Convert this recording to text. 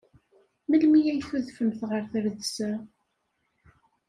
Melmi ay tudfemt ɣer tredsa?